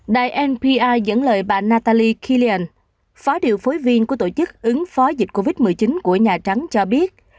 đại npr dẫn lời bà natalie killian phó điều phối viên của tổ chức ứng phó dịch covid một mươi chín của nhà trắng cho biết